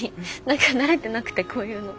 何か慣れてなくてこういうの。